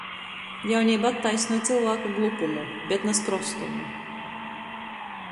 Jauneiba attaisnoj cylvāka glupumu, bet na sprostumu.